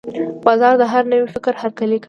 بازار د هر نوي فکر هرکلی کوي.